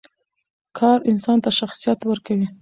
کار انسان ته شخصیت ورکوي.